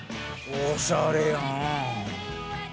おしゃれやん。